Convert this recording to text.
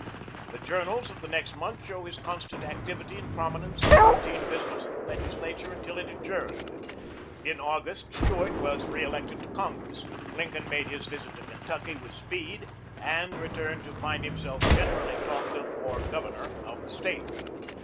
The journals of the next month show his constant activity and prominence in the routine business of the Legislature until it adjourned. In August, Stuart was reflected to Congress. Lincoln made his visit to Kentucky with speed, and returned to find himself generally talked of for Governor of the State.